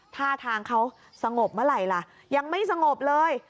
ท่าทางเขาสงบเมื่อไหร่ล่ะยังไม่สงบเลย